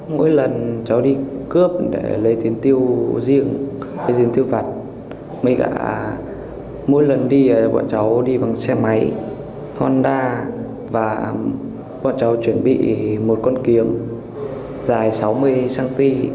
mỗi lần cháu đi cướp để lấy tiền tiêu riêng lấy tiền tiêu vặt mỗi lần đi bọn cháu đi bằng xe máy honda và bọn cháu chuẩn bị một con kiếm dài sáu mươi cm